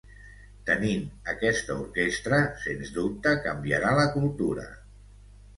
Tenint aquesta orquestra sens dubte canviarà la cultura.